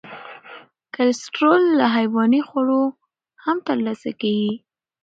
کلسترول له حیواني خوړو هم تر لاسه کېږي.